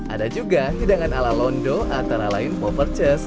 ada juga hidangan ala londo antara lain poverty free